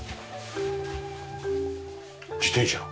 自転車。